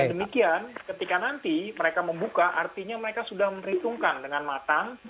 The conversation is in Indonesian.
demikian ketika nanti mereka membuka artinya mereka sudah memperhitungkan dengan matang